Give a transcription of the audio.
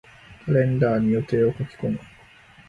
カレンダーに予定を書き込む。